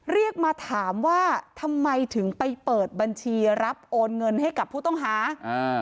เรียกมาถามว่าทำไมถึงไปเปิดบัญชีรับโอนเงินให้กับผู้ต้องหาอ่า